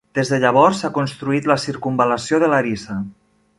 Des de llavors, s'ha construït la circumval·lació de Larissa.